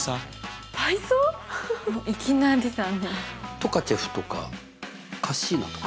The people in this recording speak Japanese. トカチェフとかカッシーナとか。